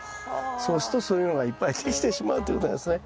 そうするとそういうのがいっぱいできてしまうということなんですね。